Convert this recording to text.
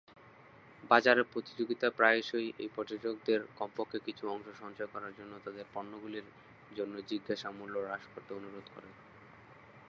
বাজারে প্রতিযোগিতা প্রায়শই এই প্রযোজকদের কমপক্ষে কিছু অংশ সঞ্চয় করার জন্য তাদের পণ্যগুলির জন্য জিজ্ঞাসা মূল্য হ্রাস করতে অনুরোধ করে।